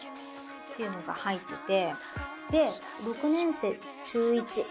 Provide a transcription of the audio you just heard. ていうのが入ってて。